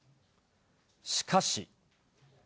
しかし。